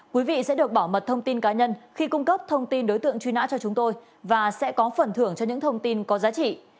quý vị sẽ được bảo mật thông tin cá nhân khi cung cấp thông tin đối tượng truy nã cho chúng tôi và sẽ có phần thưởng cho những thông tin có giá trị